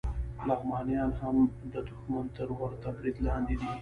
لغمانیان هم د دښمن تر ورته برید لاندې دي